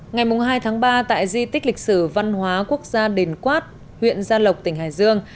ngày hai tháng ba tại di tích lịch sử văn hóa quốc gia đền quát huyện gia lộc tỉnh hải dương